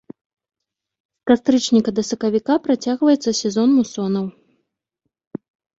З кастрычніка да сакавіка працягваецца сезон мусонаў.